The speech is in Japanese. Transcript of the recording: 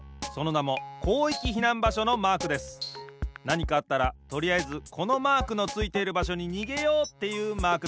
なにかあったらとりあえずこのマークのついている場所ににげようっていうマークです。